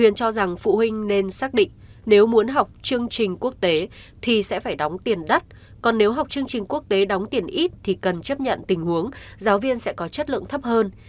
nên xác định nếu muốn học chương trình quốc tế thì sẽ phải đóng tiền đắt còn nếu học chương trình quốc tế đóng tiền ít thì cần chấp nhận tình huống giáo viên sẽ có chất lượng thấp hơn